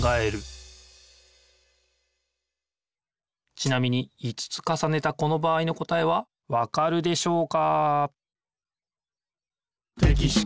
ちなみに５つかさねたこの場合の答えはわかるでしょうか？